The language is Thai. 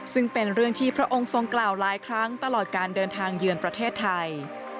ซึ่งเป็นเรื่องที่พระองค์ทรงกล่าวหลายครั้งตลอดการเดินทางเยือนประเทศไทย